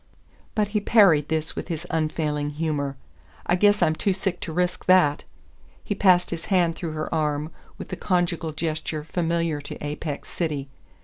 But he parried this with his unfailing humour. "I guess I'm too sick to risk that." He passed his hand through her arm with the conjugal gesture familiar to Apex City.